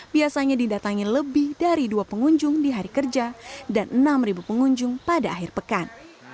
biasanya didatangi lebih dari dua pengunjung di hari kerja dan enam pengunjung pada akhir pekan